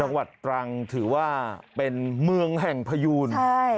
จังหวัดตรังถือว่าเป็นเมืองแห่งพยูนใช่